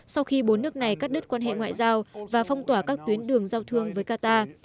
sau khi bốn nước này cắt đứt quan hệ ngoại giao và phong tỏa các tuyến đường giao thương với qatar